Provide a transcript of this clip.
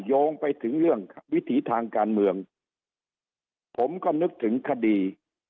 โยงไปถึงเรื่องวิถีทางการเมืองผมก็นึกถึงคดี